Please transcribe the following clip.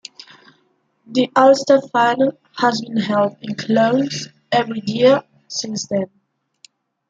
The Ulster Final has been held in Clones every year since then.